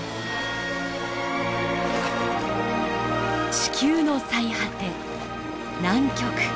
地球の最果て南極。